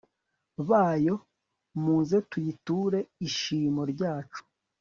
bayo, muze tuyiture ishimo ryacu